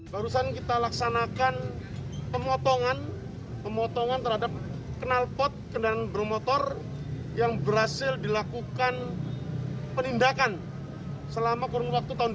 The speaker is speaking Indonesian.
barusan kita laksanakan pemotongan terhadap kenalpot kendaraan bronc motor yang berhasil dilakukan penindakan selama kurang lebih waktu tahun dua ribu dua puluh